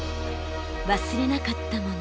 忘れなかったもの。